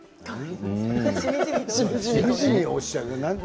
しみじみおっしゃる。